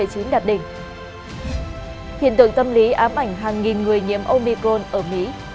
hiện tượng tâm lý ám ảnh hàng nghìn người nhiễm omicron ở mỹ